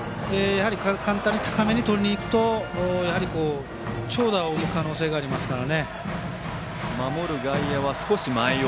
簡単に高めに取りにいくと長打を生む可能性がありますから。